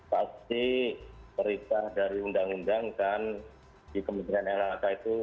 pasti perintah dari undang undang kan di kementerian lhk itu